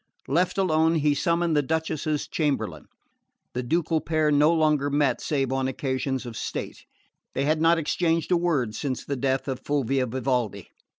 Left alone, he summoned the Duchess's chamberlain. The ducal pair no longer met save on occasions of state: they had not exchanged a word since the death of Fulvia Vivaldi.